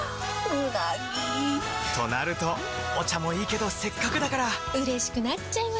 うなぎ！となるとお茶もいいけどせっかくだからうれしくなっちゃいますか！